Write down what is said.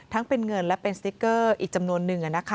เป็นเงินและเป็นสติ๊กเกอร์อีกจำนวนนึง